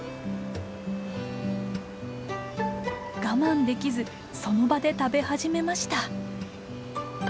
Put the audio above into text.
我慢できずその場で食べ始めました。